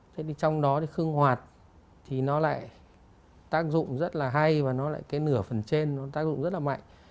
thế thì trong đó thì khương hoạt thì nó lại tác dụng rất là hay và nó lại cái nửa phần trên nó tác dụng rất là mạnh